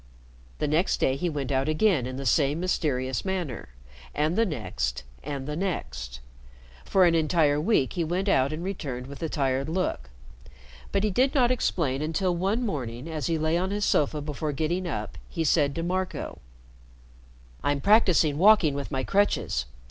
The next day he went out again in the same mysterious manner, and the next and the next. For an entire week he went out and returned with the tired look; but he did not explain until one morning, as he lay on his sofa before getting up, he said to Marco: "I'm practicing walking with my crutches.